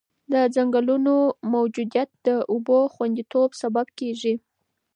د ځنګلونو موجودیت د اوبو د خونديتوب سبب کېږي.